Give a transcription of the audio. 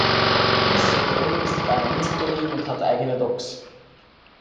Dieses Unternehmen ist auf einer Insel gelegen und hat eigene Docks.